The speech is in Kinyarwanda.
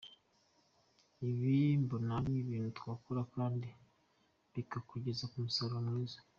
Ibi mbona ari ibintu twakora kandi bikatugeza ku musaruro mwiza.